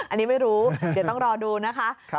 อันนี้ไม่รู้เดี๋ยวต้องรอดูนะคะ